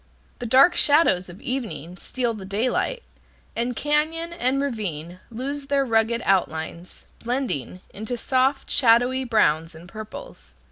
The dark shadows of evening steal the daylight, and cañon and ravine lose their rugged outlines, blending into soft, shadowy browns and purples.